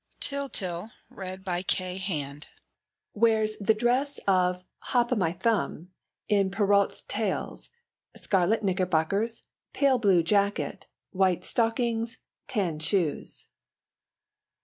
COSTUMES TYLTYL wears the dress of Hop o' my Thumb in Perrault's Tales. Scarlet knickerbockers, pale blue jacket, white stockings, tan shoes.